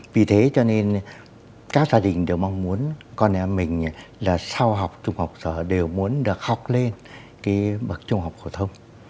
vì thế cho nên các gia đình đều mong muốn con em mình là sau học trung học sở đều muốn được học lên cái bậc trung học phổ thông